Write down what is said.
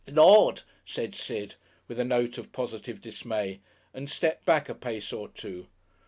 "Lord!" said Sid, with a note of positive dismay, and stepped back a pace or two.